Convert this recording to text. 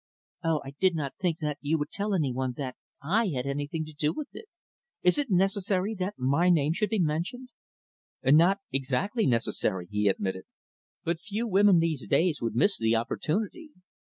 "Oh! I did not think that you would tell any one that I had anything to do with it. Is it necessary that my name should be mentioned?" "Not exactly necessary" he admitted "but few women, these days, would miss the opportunity."